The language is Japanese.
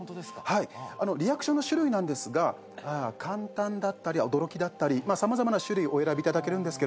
はいリアクションの種類ですが感嘆だったり驚きだったり様々な種類お選びいただけます。